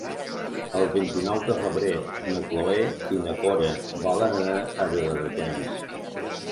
El vint-i-nou de febrer na Cloè i na Cora volen anar a Viladecans.